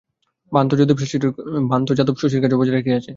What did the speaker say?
ভান তো যাদব শশীর কাছেও বজায় রাখিয়াছে।